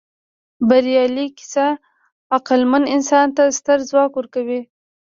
بریالۍ کیسه عقلمن انسان ته ستر ځواک ورکوي.